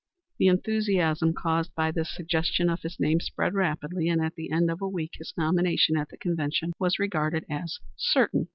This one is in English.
The enthusiasm caused by the suggestion of his name spread rapidly, and at the end of a week his nomination at the convention was regarded as certain.